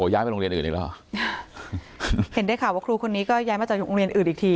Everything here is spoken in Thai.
ย้ายไปโรงเรียนอื่นอีกแล้วเห็นได้ข่าวว่าครูคนนี้ก็ย้ายมาจากโรงเรียนอื่นอีกที